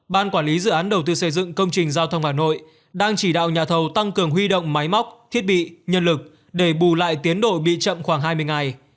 ban quản lý dự án đầu tư xây dựng công trình giao thông hà nội đang chỉ đạo nhà thầu tăng cường huy động máy móc thiết bị nhân lực để bù lại tiến độ bị chậm khoảng hai mươi ngày